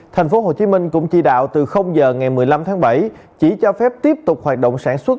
tp hcm cũng chỉ đạo từ giờ ngày một mươi năm tháng bảy chỉ cho phép tiếp tục hoạt động sản xuất